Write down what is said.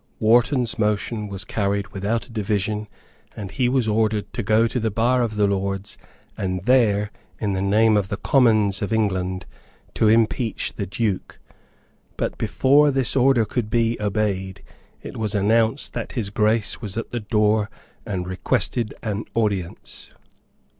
Wharton's motion was carried without a division; and he was ordered to go to the bar of the Lords, and there, in the name of the Commons of England, to impeach the Duke. But, before this order could be obeyed, it was announced that His Grace was at the door and requested an audience.